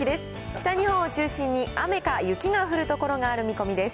北日本を中心に雨か雪が降る所がある見込みです。